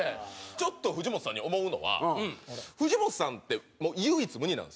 ちょっと藤本さんに思うのは藤本さんって唯一無二なんですよ今。